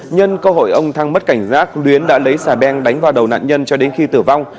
nhân cơ hội ông thăng mất cảnh giác luyến đã lấy xà beng đánh vào đầu nạn nhân cho đến khi tử vong